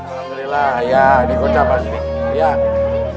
alhamdulillah ya dikoca bas